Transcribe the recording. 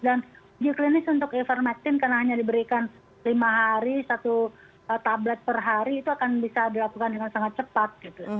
dan uji klinis untuk ivermectin karena hanya diberikan lima hari satu tablet per hari itu akan bisa dilakukan dengan sangat cepat